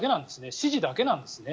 指示だけなんですね。